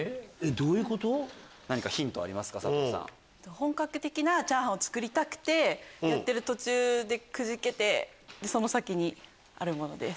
本格的なチャーハンを作りたくてやってる途中でくじけてその先にあるものです。